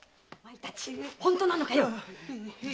お前たち本当なのかい